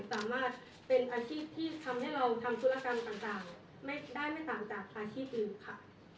สามารถเป็นอาชีพที่ทำให้เราทำธุรกรรมต่างได้ไม่ต่างจากอาชีพอื่นค่ะ